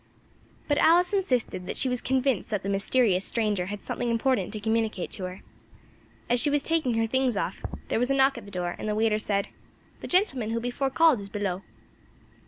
But Alice insisted that she was convinced that the mysterious stranger had something important to communicate to her. As she was taking her things off there was a knock at the door, and the waiter said "The gentleman who before called is below."